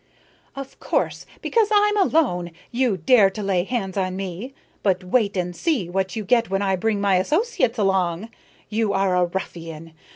"Of course, because I'm alone, you dare to lay hands on me. But wait and see what you get when I bring my associates along. You are a ruffian.